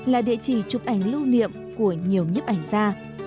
là địa chỉ chụp ảnh lưu niệm của nhiều nhếp ảnh gia